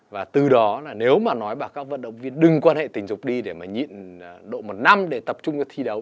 và từ đó là nếu mà nói bà các vận động viên đừng quan hệ tình dục đi để mà nhìn độ một năm để tập trung cho thi đấu